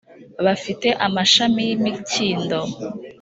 bafite amashami y imikindo